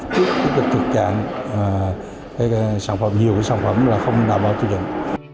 tức là thực trạng nhiều cái sản phẩm là không đảm bảo sử dụng